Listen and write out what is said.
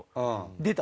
出た！